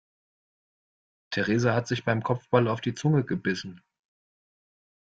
Theresa hat sich beim Kopfball auf die Zunge gebissen.